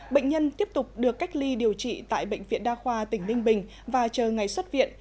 bệnh nhân tiếp tục được cách ly điều trị tại bệnh viện đa khoa tỉnh ninh bình và chờ ngày xuất viện